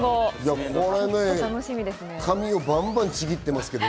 紙をバンバンちぎってますけど。